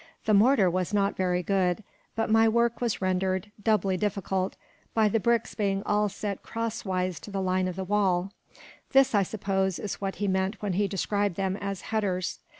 The mortar was not very good, but my work was rendered doubly difficult by the bricks being all set cross wise to the line of the wall; this, I suppose, is what he meant when he described them as "headers."